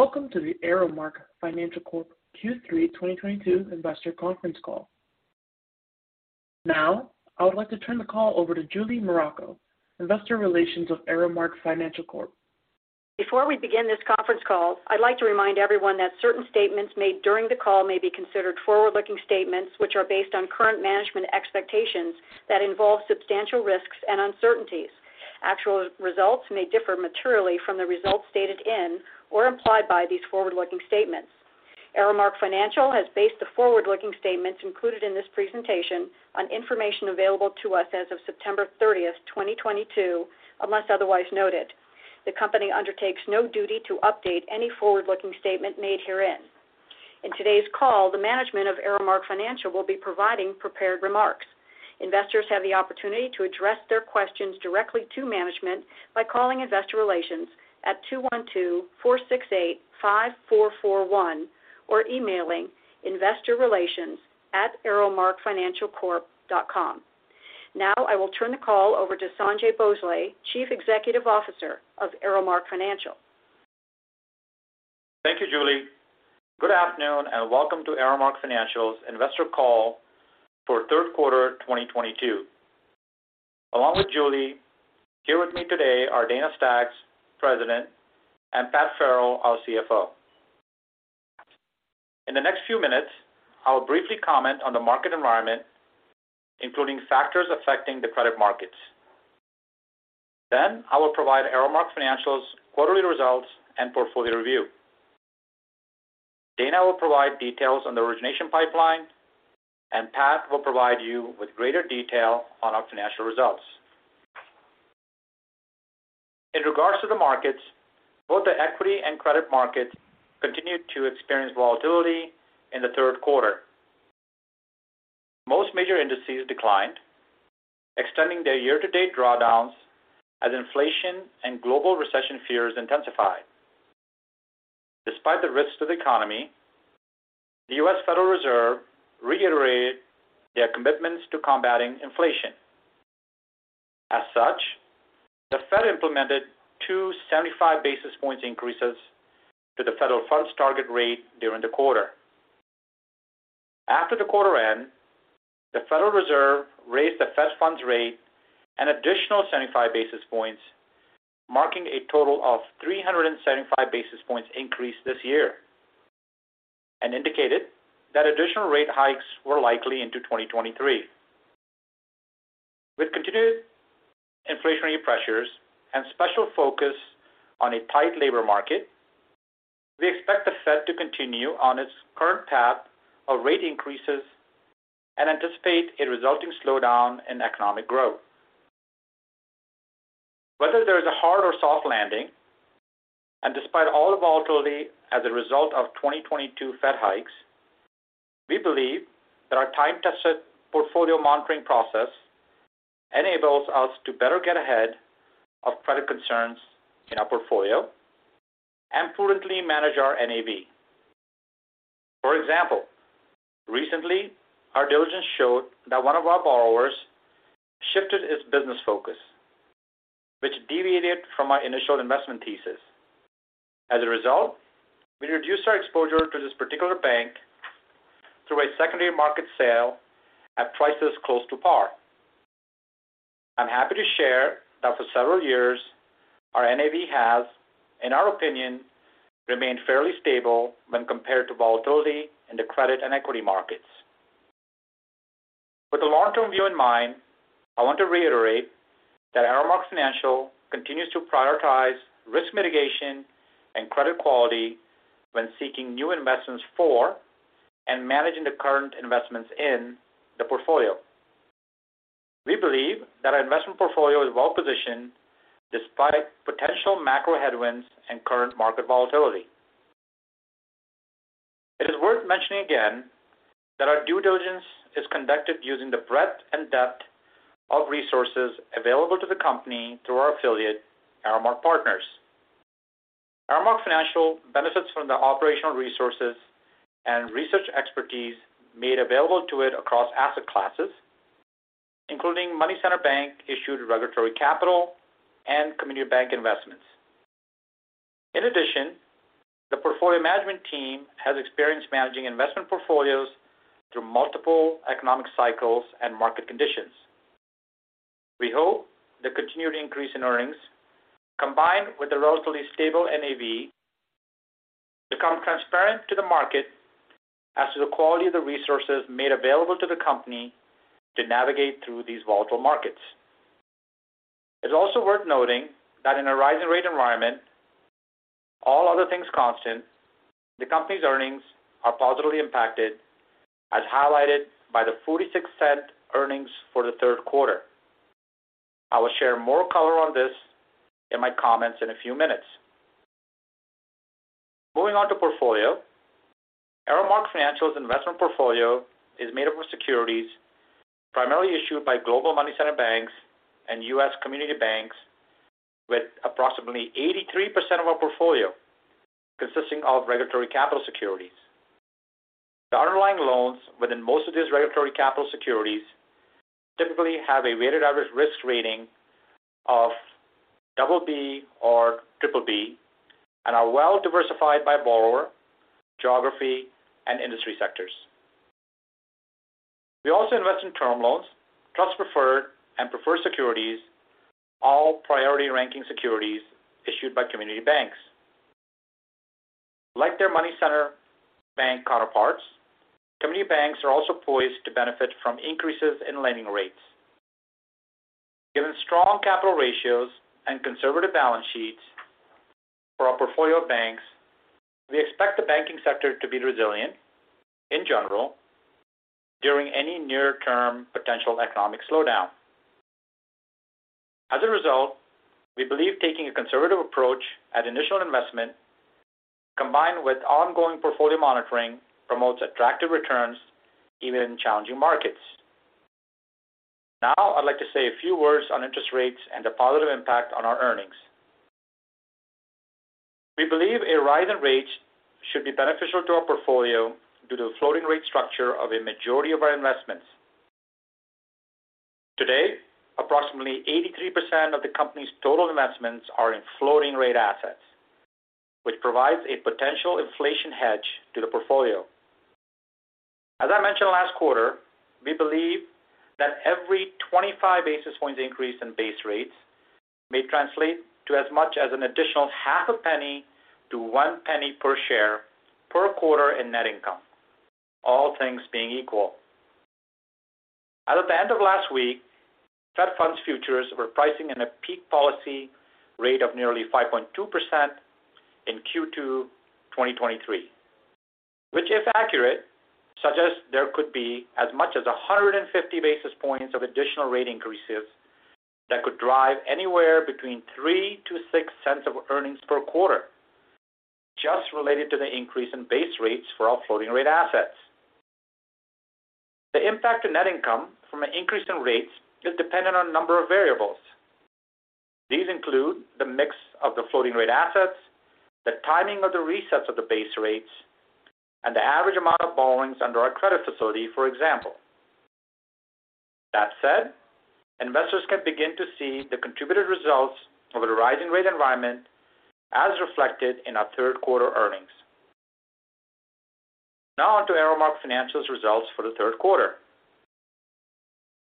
Welcome to the ArrowMark Financial Corp Q3 2022 Investor Conference Call. Now I would like to turn the call over to Julie Muraco, Investor Relations of ArrowMark Financial Corp. Before we begin this conference call, I'd like to remind everyone that certain statements made during the call may be considered forward-looking statements, which are based on current management expectations that involve substantial risks and uncertainties. Actual results may differ materially from the results stated in or implied by these forward-looking statements. ArrowMark Financial has based the forward-looking statements included in this presentation on information available to us as of September 30th, 2022, unless otherwise noted. The company undertakes no duty to update any forward-looking statement made herein. In today's call, the management of ArrowMark Financial will be providing prepared remarks. Investors have the opportunity to address their questions directly to management by calling Investor Relations at 212-468-5441 or emailing investorrelations@arrowmarkfinancialcorp.com. Now I will turn the call over to Sanjai Bhonsle, Chief Executive Officer of ArrowMark Financial. Thank you, Julie. Good afternoon, and welcome to ArrowMark Financial's Investor Call for Third Quarter 2022. Along with Julie, here with me today are Dana Staggs, President, and Pat Farrell, our CFO. In the next few minutes, I will briefly comment on the market environment, including factors affecting the credit markets. I will provide ArrowMark Financial's quarterly results and portfolio review. Dana will provide details on the origination pipeline, and Pat will provide you with greater detail on our financial results. In regards to the markets, both the equity and credit markets continued to experience volatility in the third quarter. Most major indices declined, extending their year-to-date drawdowns as inflation and global recession fears intensified. Despite the risks to the economy, the U.S. Federal Reserve reiterated their commitments to combating inflation. As such, the Fed implemented 275 basis points increases to the Federal funds target rate during the quarter. After the quarter end, the Federal Reserve raised the Fed funds rate an additional 75 basis points, marking a total of 375 basis points increase this year, and indicated that additional rate hikes were likely into 2023. With continued inflationary pressures and special focus on a tight labor market, we expect the Fed to continue on its current path of rate increases and anticipate a resulting slowdown in economic growth. Whether there is a hard or soft landing, and despite all the volatility as a result of 2022 Fed hikes, we believe that our time-tested portfolio monitoring process enables us to better get ahead of credit concerns in our portfolio and prudently manage our NAV. For example, recently, our diligence showed that one of our borrowers shifted its business focus, which deviated from our initial investment thesis. As a result, we reduced our exposure to this particular bank through a secondary market sale at prices close to par. I'm happy to share that for several years, our NAV has, in our opinion, remained fairly stable when compared to volatility in the credit and equity markets. With a long-term view in mind, I want to reiterate that ArrowMark Financial continues to prioritize risk mitigation and credit quality when seeking new investments for and managing the current investments in the portfolio. We believe that our investment portfolio is well-positioned despite potential macro headwinds and current market volatility. It is worth mentioning again that our due diligence is conducted using the breadth and depth of resources available to the company through our affiliate, ArrowMark Partners. ArrowMark Financial benefits from the operational resources and research expertise made available to it across asset classes, including money center bank-issued regulatory capital and community bank investments. In addition, the portfolio management team has experience managing investment portfolios through multiple economic cycles and market conditions. We hope the continued increase in earnings, combined with the relatively stable NAV, become transparent to the market as to the quality of the resources made available to the company to navigate through these volatile markets. It's also worth noting that in a rising rate environment, all other things constant, the company's earnings are positively impacted, as highlighted by the $0.46 earnings for the third quarter. I will share more color on this in my comments in a few minutes. Moving on to portfolio. ArrowMark Financial's investment portfolio is made up of securities primarily issued by global money center banks and U.S. community banks, with approximately 83% of our portfolio consisting of regulatory capital securities. The underlying loans within most of these regulatory capital securities typically have a weighted average risk rating of BB or BBB and are well diversified by borrower, geography, and industry sectors. We also invest in term loans, plus preferred and preferred securities, all priority ranking securities issued by community banks. Like their money center bank counterparts, community banks are also poised to benefit from increases in lending rates. Given strong capital ratios and conservative balance sheets for our portfolio of banks, we expect the banking sector to be resilient in general during any near-term potential economic slowdown. As a result, we believe taking a conservative approach at initial investment combined with ongoing portfolio monitoring promotes attractive returns even in challenging markets. Now, I'd like to say a few words on interest rates and the positive impact on our earnings. We believe a rise in rates should be beneficial to our portfolio due to the floating rate structure of a majority of our investments. Today, approximately 83% of the company's total investments are in floating rate assets, which provides a potential inflation hedge to the portfolio. As I mentioned last quarter, we believe that every 25 basis points increase in base rates may translate to as much as an additional half a penny to one penny per share per quarter in net income, all things being equal. As of the end of last week, Fed Funds futures were pricing in a peak policy rate of nearly 5.2% in Q2 2023, which if accurate, suggests there could be as much as 150 basis points of additional rate increases that could drive anywhere between $0.03-$0.06 of earnings per quarter just related to the increase in base rates for our floating rate assets. The impact to net income from an increase in rates is dependent on a number of variables. These include the mix of the floating rate assets, the timing of the resets of the base rates, and the average amount of borrowings under our credit facility, for example. That said, investors can begin to see the contributed results of the rising rate environment as reflected in our third quarter earnings. Now on to ArrowMark Financial's results for the third quarter.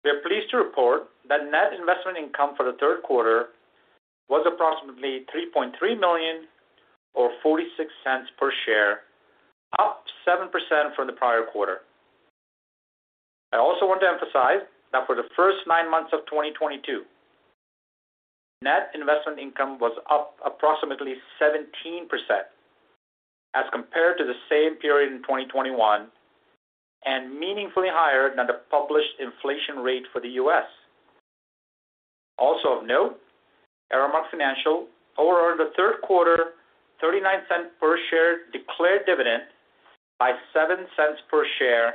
We are pleased to report that net investment income for the third quarter was approximately $3.3 million or $0.46 per share, up 7% from the prior quarter. I also want to emphasize that for the first nine months of 2022, net investment income was up approximately 17% as compared to the same period in 2021, and meaningfully higher than the published inflation rate for the U.S. Also of note, ArrowMark Financial over the third quarter declared $0.39 per share dividend up by $0.07 per share,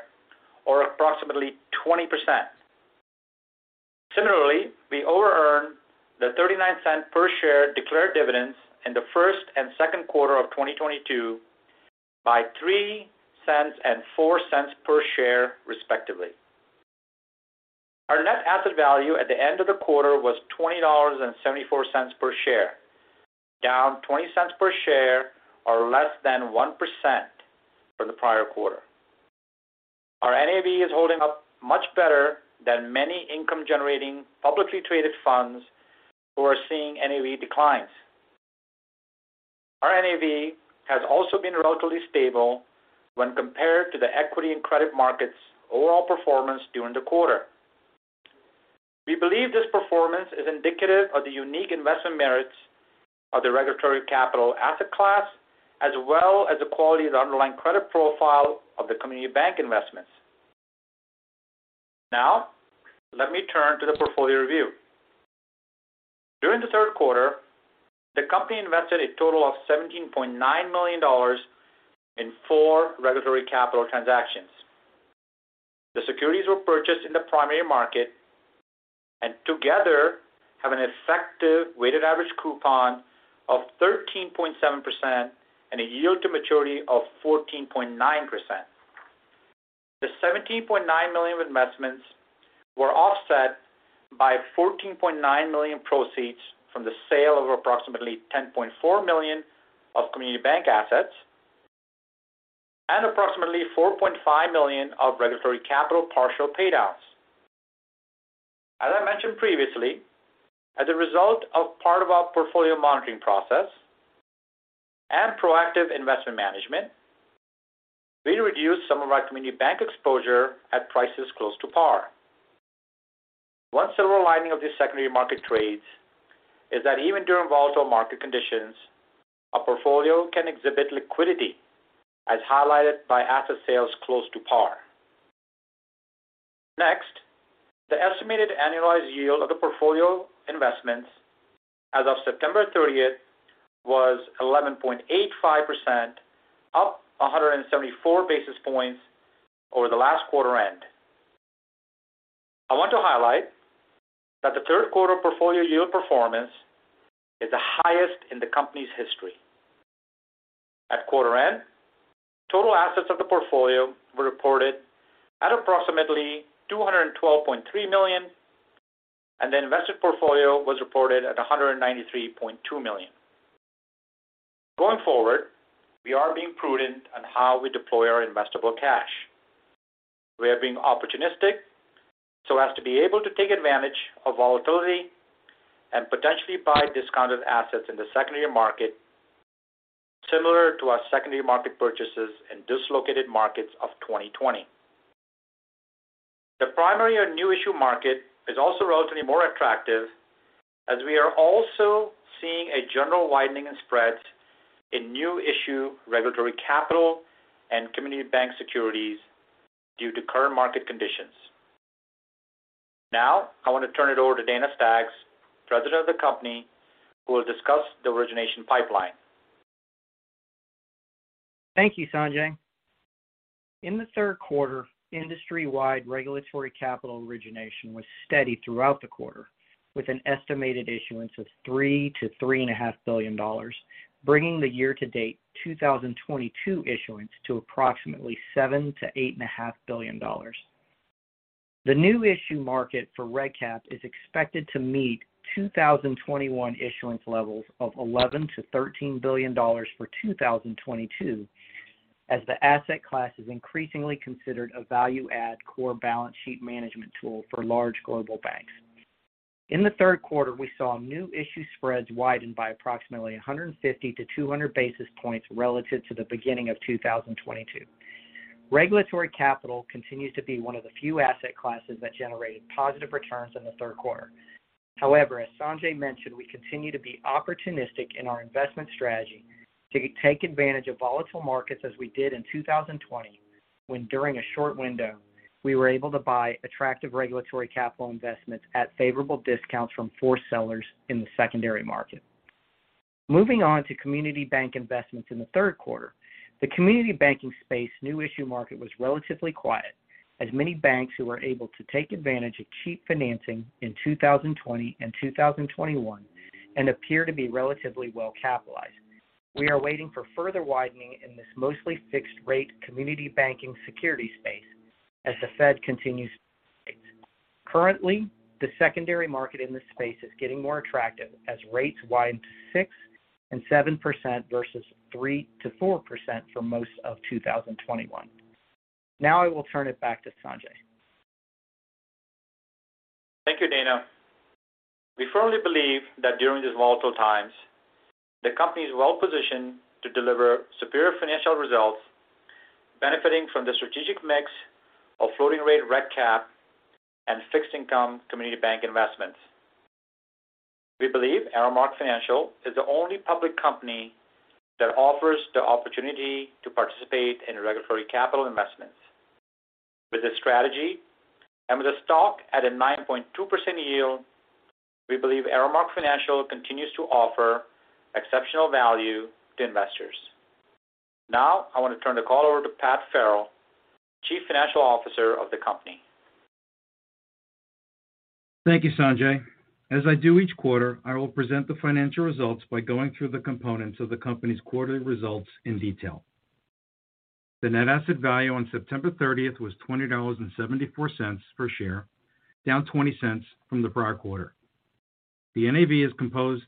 or approximately 20%. Similarly, we overearned the $0.39 per share declared dividends in the first and second quarter of 2022 by $0.03 and $0.04 per share, respectively. Our net asset value at the end of the quarter was $20.74 per share, down $0.20 per share or less than 1% from the prior quarter. Our NAV is holding up much better than many income-generating publicly traded funds who are seeing NAV declines. Our NAV has also been relatively stable when compared to the equity and credit markets' overall performance during the quarter. We believe this performance is indicative of the unique investment merits of the regulatory capital asset class, as well as the quality of the underlying credit profile of the community bank investments. Now, let me turn to the portfolio review. During the third quarter, the company invested a total of $17.9 million in four regulatory capital transactions. The securities were purchased in the primary market and together have an effective weighted average coupon of 13.7% and a yield to maturity of 14.9%. The $17.9 million of investments were offset by $14.9 million proceeds from the sale of approximately $10.4 million of community bank assets and approximately $4.5 million of regulatory capital partial payouts. As I mentioned previously, as a result of part of our portfolio monitoring process and proactive investment management, we reduced some of our community bank exposure at prices close to par. One silver lining of these secondary market trades is that even during volatile market conditions, a portfolio can exhibit liquidity as highlighted by asset sales close to par. Next, the estimated annualized yield of the portfolio investments as of September 30th was 11.85%, up 174 basis points over the last quarter end. I want to highlight that the third quarter portfolio yield performance is the highest in the company's history. At quarter end, total assets of the portfolio were reported at approximately $212.3 million, and the invested portfolio was reported at $193.2 million. Going forward, we are being prudent on how we deploy our investable cash. We are being opportunistic so as to be able to take advantage of volatility and potentially buy discounted assets in the secondary market similar to our secondary market purchases in dislocated markets of 2020. The primary or new issue market is also relatively more attractive as we are also seeing a general widening in spreads in new issue regulatory capital and community bank securities due to current market conditions. Now I want to turn it over to Dana Staggs, President of the company, who will discuss the origination pipeline. Thank you, Sanjai. In the third quarter, industry-wide regulatory capital origination was steady throughout the quarter with an estimated issuance of $3 billion-$3.5 billion, bringing the year-to-date 2022 issuance to approximately $7 billion-$8.5 billion. The new issue market for reg cap is expected to meet 2021 issuance levels of $11 billion-$13 billion for 2022 as the asset class is increasingly considered a value add core balance sheet management tool for large global banks. In the third quarter, we saw new issue spreads widen by approximately 150-200 basis points relative to the beginning of 2022. Regulatory capital continues to be one of the few asset classes that generated positive returns in the third quarter. However, as Sanjai mentioned, we continue to be opportunistic in our investment strategy to take advantage of volatile markets as we did in 2020 when, during a short window, we were able to buy attractive regulatory capital investments at favorable discounts from four sellers in the secondary market. Moving on to community bank investments in the third quarter. The community banking space new issue market was relatively quiet as many banks who were able to take advantage of cheap financing in 2020 and 2021 and appear to be relatively well capitalized. We are waiting for further widening in this mostly fixed-rate community banking security space as the Fed continues to hike. Currently, the secondary market in this space is getting more attractive as rates widen to 6%-7% versus 3%-4% for most of 2021. Now I will turn it back to Sanjai. Thank you, Dana. We firmly believe that during these volatile times, the company is well positioned to deliver superior financial results, benefiting from the strategic mix of floating rate regulatory capital and fixed income community bank investments. We believe ArrowMark Financial is the only public company that offers the opportunity to participate in regulatory capital investments. With this strategy and with the stock at a 9.2% yield, we believe ArrowMark Financial continues to offer exceptional value to investors. Now, I want to turn the call over to Pat Farrell, Chief Financial Officer of the company. Thank you, Sanjai. As I do each quarter, I will present the financial results by going through the components of the company's quarterly results in detail. The net asset value on September 30th was $20.74 per share, down $0.20 from the prior quarter. The NAV is composed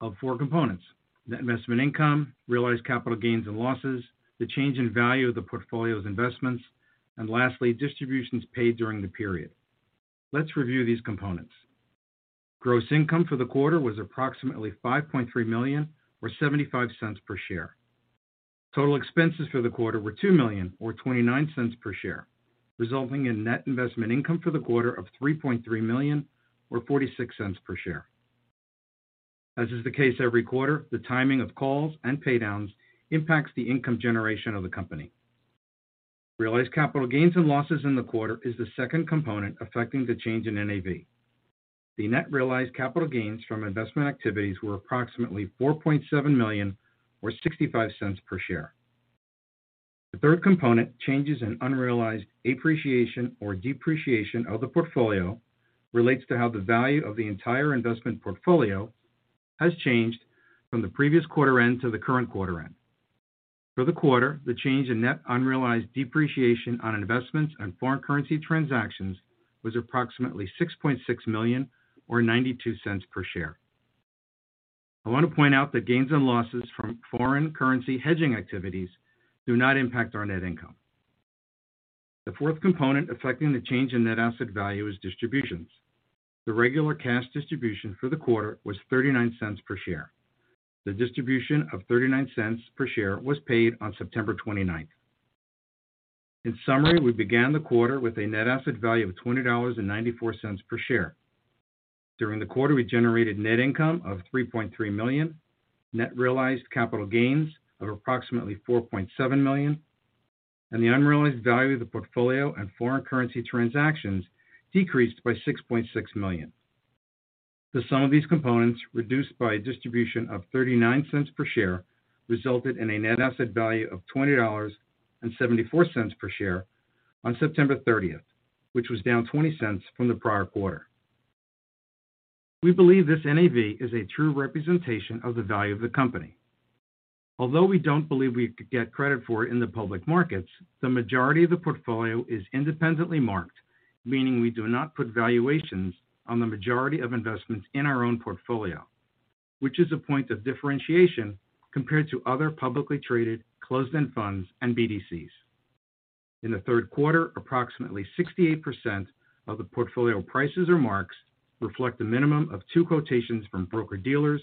of four components. Net investment income, realized capital gains and losses, the change in value of the portfolio's investments, and lastly, distributions paid during the period. Let's review these components. Gross income for the quarter was approximately $5.3 million or $0.75 per share. Total expenses for the quarter were $2 million or $0.29 per share, resulting in net investment income for the quarter of $3.3 million or $0.46 per share. As is the case every quarter, the timing of calls and pay downs impacts the income generation of the company. Realized capital gains and losses in the quarter is the second component affecting the change in NAV. The net realized capital gains from investment activities were approximately $4.7 million or $0.65 per share. The third component, changes in unrealized appreciation or depreciation of the portfolio, relates to how the value of the entire investment portfolio has changed from the previous quarter end to the current quarter end. For the quarter, the change in net unrealized depreciation on investments and foreign currency transactions was approximately $6.6 million or $0.92 per share. I want to point out that gains and losses from foreign currency hedging activities do not impact our net income. The fourth component affecting the change in net asset value is distributions. The regular cash distribution for the quarter was $0.39 per share. The distribution of $0.39 per share was paid on September 29th. In summary, we began the quarter with a net asset value of $20.94 per share. During the quarter, we generated net income of $3.3 million, net realized capital gains of approximately $4.7 million, and the unrealized value of the portfolio and foreign currency transactions decreased by $6.6 million. The sum of these components, reduced by a distribution of $0.39 per share, resulted in a net asset value of $20.74 per share on September 30th, which was down $0.20 from the prior quarter. We believe this NAV is a true representation of the value of the company. Although we don't believe we could get credit for it in the public markets, the majority of the portfolio is independently marked, meaning we do not put valuations on the majority of investments in our own portfolio, which is a point of differentiation compared to other publicly traded closed-end funds and BDCs. In the third quarter, approximately 68% of the portfolio prices or marks reflect a minimum of two quotations from broker-dealers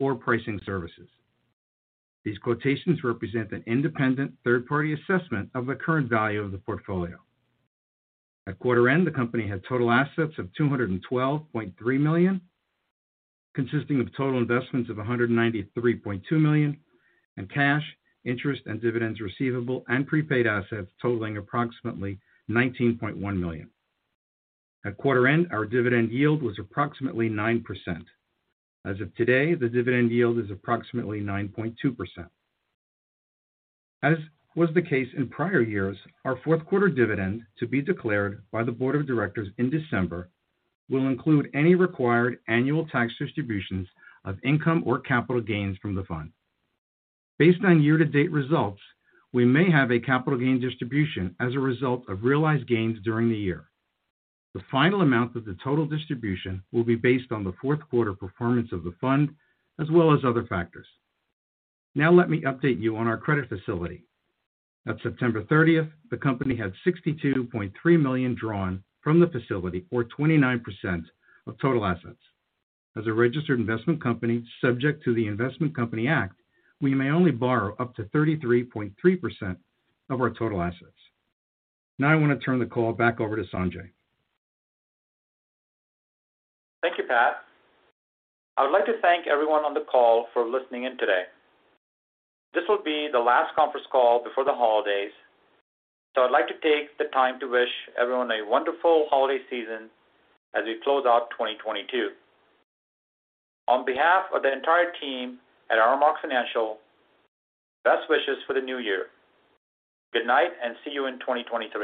or pricing services. These quotations represent an independent third-party assessment of the current value of the portfolio. At quarter end, the company had total assets of $212.3 million, consisting of total investments of $193.2 million, and cash, interest, and dividends receivable and prepaid assets totaling approximately $19.1 million. At quarter end, our dividend yield was approximately 9%. As of today, the dividend yield is approximately 9.2%. As was the case in prior years, our fourth quarter dividend, to be declared by the Board of Directors in December, will include any required annual tax distributions of income or capital gains from the fund. Based on year-to-date results, we may have a capital gain distribution as a result of realized gains during the year. The final amount of the total distribution will be based on the fourth quarter performance of the fund, as well as other factors. Now let me update you on our credit facility. At September 30th, the company had $62.3 million drawn from the facility, or 29% of total assets. As a registered investment company subject to the Investment Company Act, we may only borrow up to 33.3% of our total assets. Now I want to turn the call back over to Sanjai. Thank you, Pat. I would like to thank everyone on the call for listening in today. This will be the last conference call before the holidays, so I'd like to take the time to wish everyone a wonderful holiday season as we close out 2022. On behalf of the entire team at ArrowMark Financial, best wishes for the new year. Good night and see you in 2023.